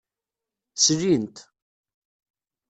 Slin-t.